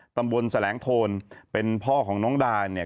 แสลงโทนเป็นพ่อของน้องดานเนี่ย